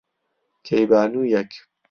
کەیبانوویەک،